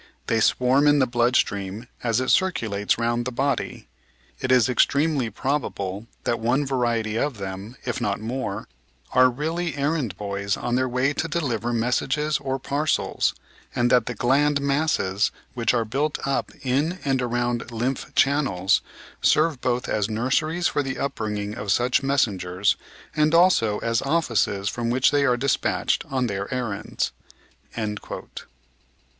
They swarm in the blood stream as it circulates round the body ... it is extremely probable that one variety of them, if not more, are really errand boys on their way to deliver messages or parcels, and that the gland masses which are built up in and around lymph channels serve both as nurseries for the upbringing of such messengers, and also as offices from which they are dispatched on their errands."